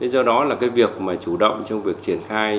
do đó là cái việc mà chủ động trong việc triển khai